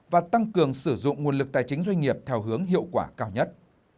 và tăng cường sử dụng nguồn lực tài chính doanh nghiệp theo hướng hiệu quả cao nhất